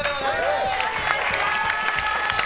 よろしくお願いします。